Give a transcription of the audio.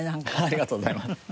ありがとうございます。